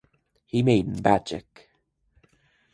He made magic.